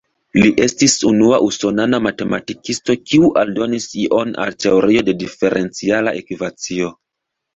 Li estis unua usonana matematikisto kiu aldonis ion al teorio de diferenciala ekvacio.